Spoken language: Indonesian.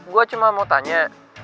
gua cuma mau tanya